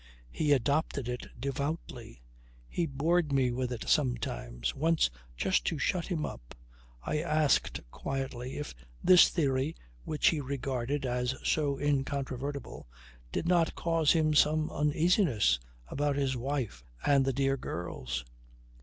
He adopted it devoutly. He bored me with it sometimes. Once, just to shut him up, I asked quietly if this theory which he regarded as so incontrovertible did not cause him some uneasiness about his wife and the dear girls?